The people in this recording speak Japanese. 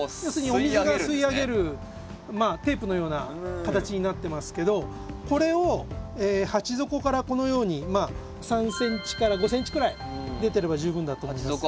お水を吸い上げるテープのような形になってますけどこれを鉢底からこのように３ｃｍ５ｃｍくらい出てれば十分だと思います。